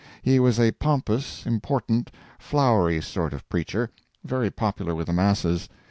He was a pompous, important, flowery sort of preacher—very popular with the masses.